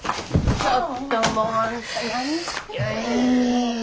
ちょっともうあんた何してんねん！